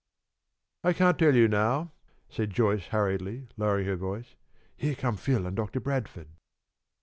"I can't tell you now," said Joyce, hurriedly, lowering her voice. "Here come Phil and Doctor Bradford."